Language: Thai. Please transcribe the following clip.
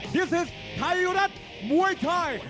นี่คือทายุรัตมวยทาย